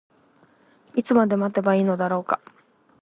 いつまで待てばいいのだろうか。